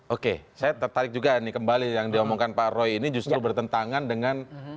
oke saya tertarik juga nih kembali yang diomongkan pak roy ini justru bertentangan dengan